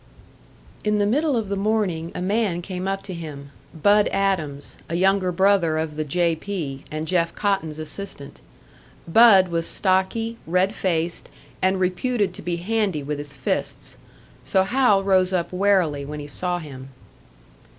In the middle of the morning a man came up to him "Bud" Adams, a younger brother of the "J. P.," and Jeff Cotton's assistant. Bud was stocky, red faced, and reputed to be handy with his fists. So Hal rose up warily when he saw him.